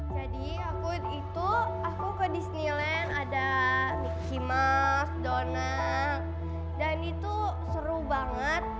jadi aku itu aku ke disneyland ada mickey mouse donald dan itu seru banget